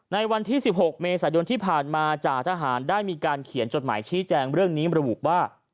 ในวันที่๑๖เมษายนที่ผ่านมาจ่าทหารได้มีการเขียนจดหมายชี้แจงเรื่องนี้ระบุว่า